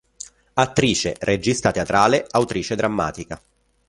Attrice, regista teatrale, autrice drammatica.